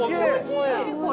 何これ。